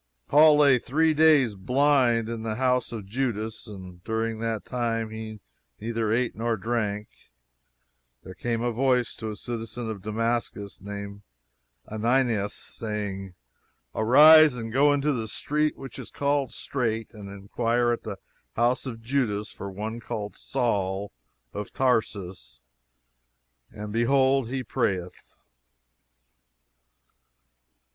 Paul lay three days, blind, in the house of Judas, and during that time he neither ate nor drank. There came a voice to a citizen of Damascus, named Ananias, saying, "Arise, and go into the street which is called Straight, and inquire at the house of Judas, for one called Saul, of Tarsus; for behold, he prayeth."